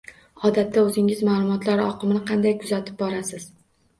Odatda oʻzingiz maʼlumotlar oqimini qanday kuzatib borasiz?